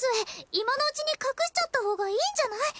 今のうちに隠しちゃったほうがいいんじゃない？